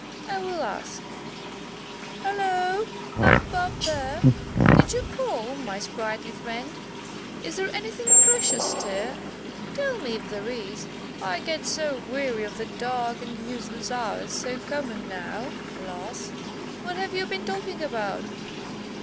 I will ask. Halloo! up above there. Did you call, my sprightly friend? Is there anything fresh astir? Tell me, if there is. I get so weary of the dark and useless hours; so common now, alas! What have you been talking about?"